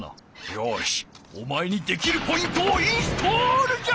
よしおまえにできるポイントをインストールじゃ！